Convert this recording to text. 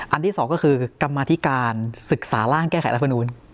อันที่๒ก็คือกรรมาธิการศึกษาร่างแก้ไขรับประนูน